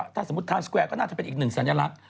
ถ้าสมมุติทานสแกนก็น่าจะเป็นอีกหนึ่งสัญลักษณ